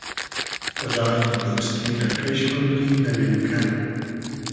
رایی دۉستی رۂ پېش بوبری دۂ مېنکئل